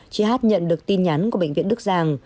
chị hát nhận được tin nhắn của bệnh viện đức giang